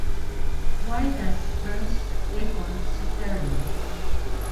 Why does trust equal suffering.